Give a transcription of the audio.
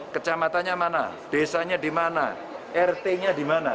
kecamatannya mana desanya di mana rt nya di mana